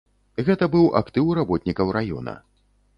Гэта быў актыў работнікаў раёна.